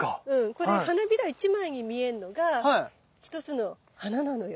これ花びら１枚に見えんのが一つの花なのよ。